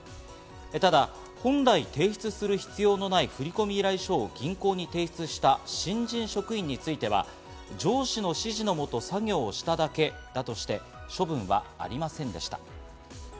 ただ本来提出する必要のない振込依頼書を銀行に提出した新人職員については、上司の指示のもと作業をしただけだとして、処分はありませんでした。